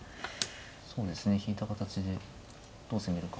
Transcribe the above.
そうですね引いた形でどう攻めるか。